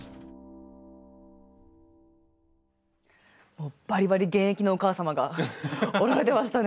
もうバリバリ現役のお母様が織られてましたね！